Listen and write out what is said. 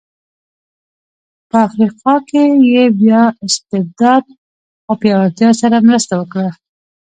په افریقا کې یې بیا استبداد او پیاوړتیا سره مرسته وکړه.